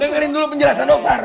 dengarin dulu penjelasan dokter